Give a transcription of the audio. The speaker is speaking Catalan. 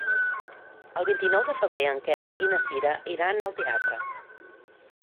El vint-i-nou de febrer en Quer i na Cira iran al teatre.